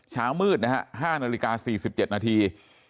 เช้ามืดนะฮะ๕นาฬิกา๔๗นาที